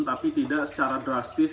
tapi tidak secara drastis